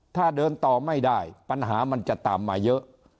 ถ้าเดินต่อไม่ได้ปัญหามันจะตามมาเยอะ